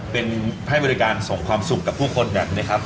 เป็นให้บริการส่งความสุขกับผู้คนแบบนี้ครับ